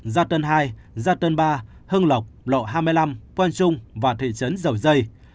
gia tân một gia tân hai gia tân ba hưng lộc lộ hai mươi năm quang trung và thị trấn giầu dây